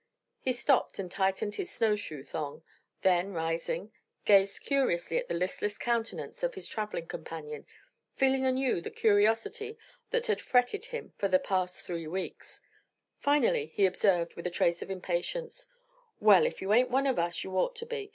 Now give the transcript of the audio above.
He stopped and tightened his snow shoe thong, then rising, gazed curiously at the listless countenance of his travelling companion, feeling anew the curiosity that had fretted him for the past three weeks; finally he observed, with a trace of impatience: "Well, if you ain't one of us, you'd ought to be.